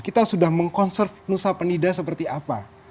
kita sudah mengkonserve nusa penida seperti apa